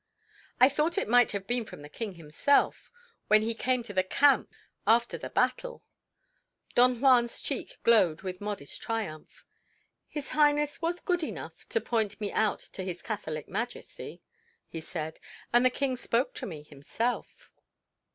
"I thought it might have been from the King himself, when he came to the camp after the battle." Don Juan's cheek glowed with modest triumph. "His Highness was good enough to point me out to His Catholic Majesty," he said. "And the King spoke to me himself!"